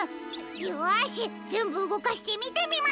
よしぜんぶうごかしてみてみましょう！